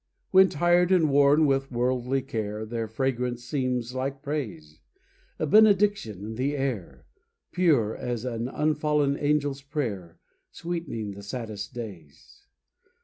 When tired and worn with worldly care, Their fragrance seems like praise, A benediction in the air; Pure as an unfallen angel's prayer, Sweet'ning the saddest days.